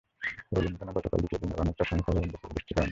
ওয়েলিংটনে গতকাল দ্বিতীয় দিনের অনেকটা সময় খেলা বন্ধ ছিল বৃষ্টির কারণে।